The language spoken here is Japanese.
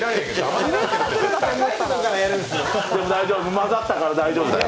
混ざったから大丈夫だよ。